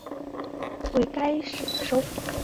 杜拉基什为该区的首府。